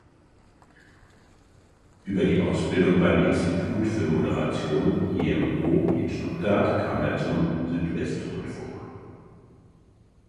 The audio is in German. Über die Ausbildung beim Institut für Moderation (imo) in Stuttgart kam er zum Südwestrundfunk.